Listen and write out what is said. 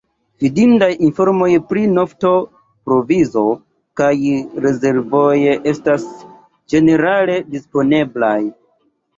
Fidindaj informoj pri nafto-provizo kaj -rezervoj ne estas ĝenerale disponeblaj.